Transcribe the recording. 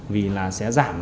vì là sẽ giảm